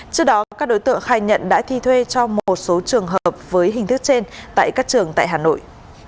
trước đó các đối tượng khai nhận đã thi thuê cho một số trường hợp với hình thức trên tại các trường tại hà nội